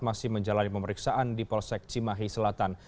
masih menjalani pemeriksaan di polsek cimahi selatan